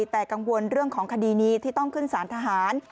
แต่กังวลเรื่องของคดีนี้ที่ต้องขึ้นสารทหาร